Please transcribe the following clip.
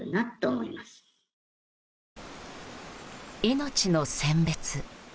命の選別。